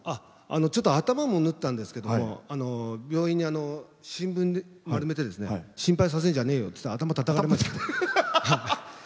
ちょっと頭を縫ったんですけど病院で新聞、丸めて「心配させんじゃねえよ」って頭をたたかれました。